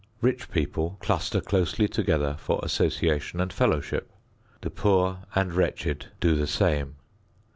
Rich people cluster closely together for association and fellowship. The poor and wretched do the same.